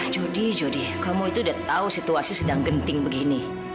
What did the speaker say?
judi judi kamu itu udah tahu situasi sedang genting begini